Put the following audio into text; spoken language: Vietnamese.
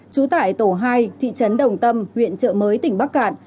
trú tại tổ hai thị trấn đồng tâm huyện trợ mới tỉnh bắc cạn